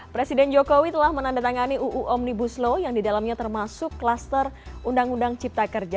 presiden jokowi telah menandatangani uu omnibus law yang didalamnya termasuk klaster undang undang cipta kerja